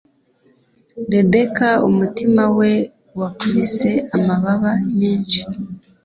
Rebecca umutima we wakubise amababa menshi